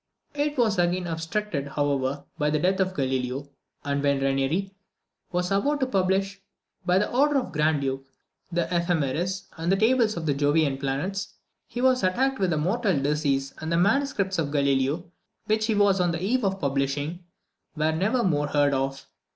It was again obstructed, however, by the death of Galileo; and when Renieri was about to publish, by the order of the Grand Duke, the "Ephemeris," and "Tables of the Jovian Planets," he was attacked with a mortal disease, and the manuscripts of Galileo, which he was on the eve of publishing, were never more heard of.